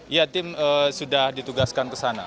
ya tim sudah ditugaskan ke sana